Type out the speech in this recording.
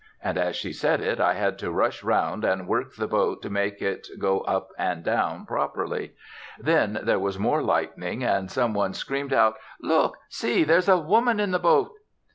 And as she said it I had to rush round and work the boat to make it go up and down properly. Then there was more lightning, and some one screamed out, "Look! See! there's a woman in the boat!"